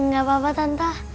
gak apa apa tante